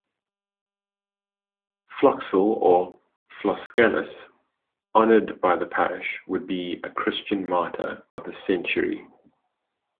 Floxel or Floscellus, honored by the parish, would be a Christian martyr of the century.